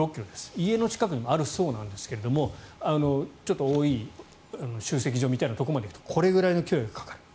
家の近くにもあるそうなんですがちょっと大きい集積場みたいなところに行くとこれだけの距離がかかる。